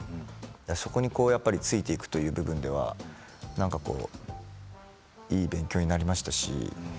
そこについていくという部分ではいい勉強になりましたし。